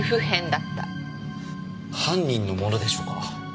犯人のものでしょうか？